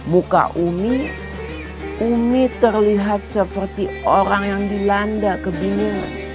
muka umi umi terlihat seperti orang yang dilanda kebina